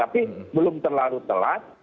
tapi belum terlalu telat